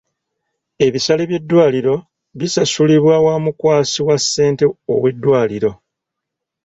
Ebisale by'eddwaliro bisasulibwa wa mukwasi wa ssente ow'eddwaliro.